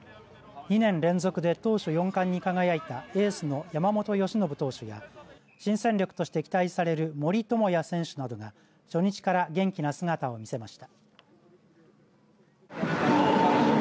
２年連続で投手４冠に輝いたエースの山本由伸投手や新戦力として期待される森友哉選手などが初日から元気な姿を見せました。